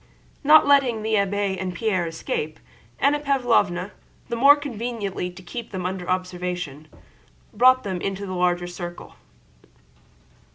Not letting the abbé and Pierre escape, Anna Pávlovna, the more conveniently to keep them under observation, brought them into the larger circle.